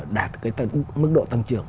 đạt cái mức độ tăng trưởng